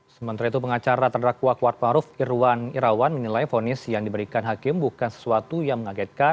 sementara itu pengacara terdakwa kuatmaruf irwan irawan menilai vonis yang diberikan hakim bukan sesuatu yang mengagetkan